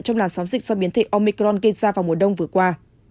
trong làn sóng dịch do biến thể omicron gây ra vào mùa đông vừa qua